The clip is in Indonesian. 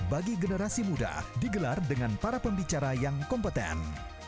bagi generasi muda digelar dengan para pembicara yang kompeten